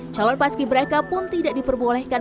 calon paski braka pun tidak diperbolehkan